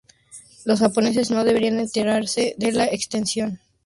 Los japoneses no deberían enterarse de la extensión de su ataque.